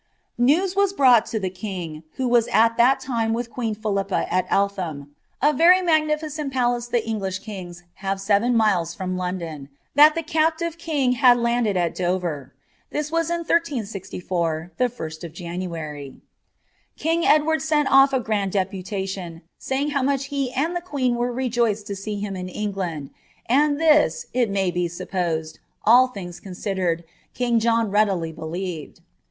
■*News was brought to the king, who was at that time with queen bilippa at Eltham, (a very magnificent palace the English kings have Ten miles from London,) that the captive king had landed at Dover. his was in 13G4, the Ist of January. King Edward sent off a grand station, saying how much he and the queen were rejoiced to see him , En^nd, and this, it may be supposed, all things considered, king ihn readily believed.